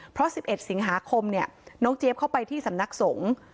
เพราะ๑๑สิงหาคมเนี่ยน้องเจี๊ยบเข้าไปที่สำนักสงฆ์